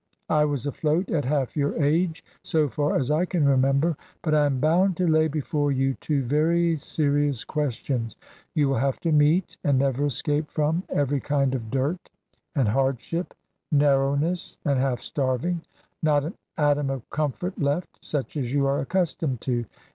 I was afloat at half your age, so far as I can remember. But I am bound to lay before you two very serious questions. You will have to meet, and never escape from, every kind of dirt, and hardship, narrowness, and half starving not an atom of comfort left, such as you are accustomed to.